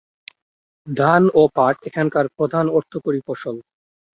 ধান ও পাট এখানকার প্রধান অর্থকরী ফসল।